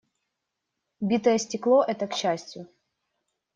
Битое стекло - это к счастью.